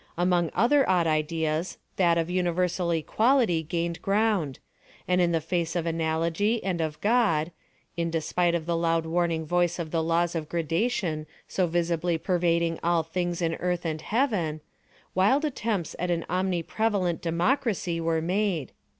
Among other odd ideas, that of universal equality gained ground; and in the face of analogy and of God—in despite of the loud warning voice of the laws of gradation so visibly pervading all things in Earth and Heaven—wild attempts at an omni prevalent Democracy were made.